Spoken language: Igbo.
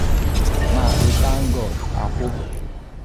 Maazị ThankGod Akwo